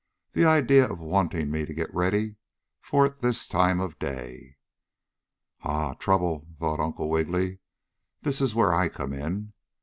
The idea of wanting me to get ready for it this time of day!" "Ha! Trouble!" thought Uncle Wiggily. "This is where I come in.